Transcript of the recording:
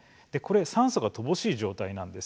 酸素が乏しい状態なんです。